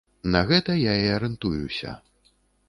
На гэта я і арыентуюся.